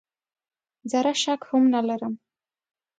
زره شک هم نه لرم .